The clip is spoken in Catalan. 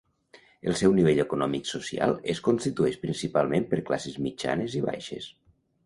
El seu nivell econòmic social es constitueix principalment per classes mitjanes i baixes.